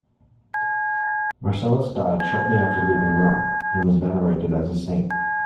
Marcellus died shortly after leaving Rome, and was venerated as a saint.